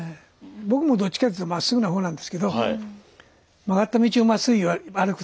僕もどっちかっていうとまっすぐな方なんですけど曲がった道をまっすぐ歩くって言われてね。